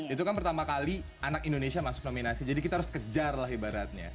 itu kan pertama kali anak indonesia masuk nominasi jadi kita harus kejar lah ibaratnya